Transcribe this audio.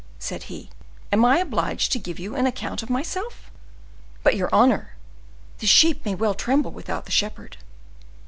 said he; "am I obliged to give you an account of myself?" "But your honor, the sheep may well tremble without the shepherd."